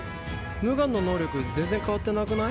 ムガンの能力全然変わってなくない？